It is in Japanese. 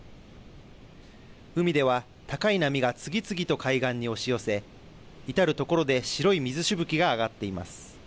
海では、高い波が次々と海岸に押し寄せ、至る所で白い水しぶきが上がっています。